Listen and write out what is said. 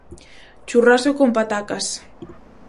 Churrasco con patacas.